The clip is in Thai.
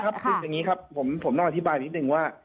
เพราะว่าเดี๋ยวอย่างนี้ครับผมนอกธิบายนิดนึงว่า